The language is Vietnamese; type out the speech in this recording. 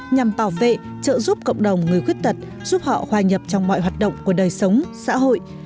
nhằm bảo vệ trợ giúp cộng đồng người khuyết tật giúp họ hoài nhập trong mọi hoạt động của đời sống xã hội